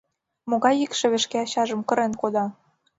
Могай икшыве шке ачажым кырен кода?